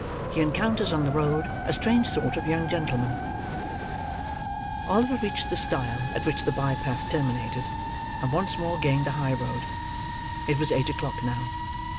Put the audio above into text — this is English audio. HE ENCOUNTERS ON THE ROAD A STRANGE SORT OF YOUNG GENTLEMAN Oliver reached the stile at which the by path terminated; and once more gained the high road. It was eight o'clock now.